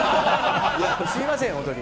すみません、本当に。